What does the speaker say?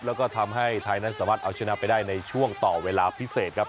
แล้วก็ทำให้ไทยนั้นสามารถเอาชนะไปได้ในช่วงต่อเวลาพิเศษครับ